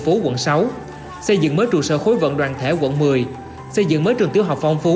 phố quận sáu xây dựng mới trụ sở khối vận đoàn thể quận một mươi xây dựng mới trường tiểu học phong phú